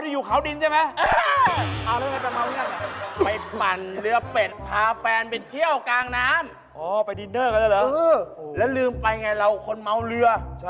อ๋ออยู่คราวดินจริงแม่